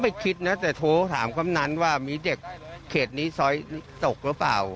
คิดนะแต่โทรถามคำนั้นว่ามีเด็กเขตนี้ซอยตกหรือเปล่า